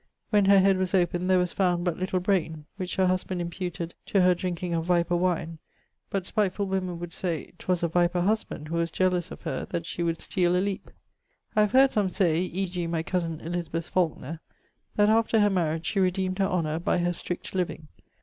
When her head was opened there was found but little braine, which her husband imputed to her drinking of viper wine; but spitefull woemen would say 'twas a viper husband who was jealous of her that she would steale a leape. I have heard some say, e.g. my cosen Elizabeth Falkner, that after her mariage she redeemed her honour by her strick't living.